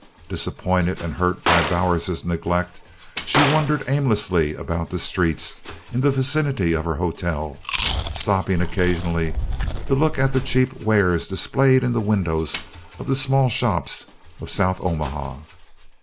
Disappointed and hurt by Bowers's neglect, she wandered aimlessly about the streets in the vicinity of her hotel, stopping occasionally to look at the cheap wares displayed in the windows of the small shops of South Omaha.